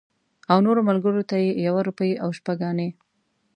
او نورو ملګرو ته یې یوه روپۍ او شپږ انې.